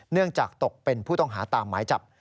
จากตกเป็นผู้ต้องหาตามหมายจับ